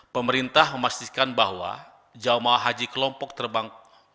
pemerintah memastikan bahwa jemaah haji kelompok terbang empat belas